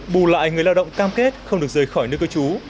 bù lại người lao động cam kết không được rời khỏi nước cơ chú